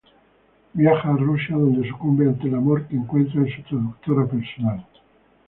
Viaja a Rusia, donde sucumbe ante el amor, que encuentra en su traductora personal.